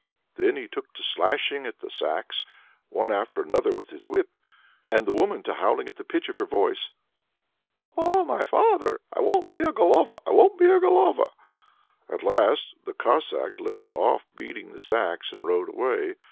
Then he took to slashing at the sacks one after another with his whip, and the woman to howling at the pitch of her voice: "Oh, my father! I won't be a Golova, I won't be a Golova." At last the Cossack left off beating the sacks, and rode away.